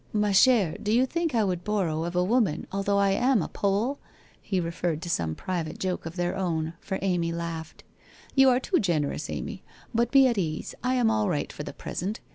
' Ma chere, do you think I would borrow of a woman, although I am a Pole?' He referred to some private joke of their own, for Amy laughed. ' You are too generous, Amy, but be at ease, I am all right for the present.